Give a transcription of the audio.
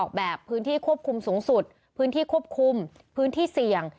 แบบพื้นที่ควบคุมสูงสุดพื้นที่ควบคุมพื้นที่เสี่ยง